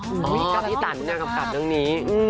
พี่กับพี่ตันนะครับภูมิกับเรื่องนี้